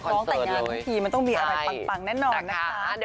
ร้องแต่งงานทั้งทีมันต้องมีอะไรปังแน่นอนนะคะ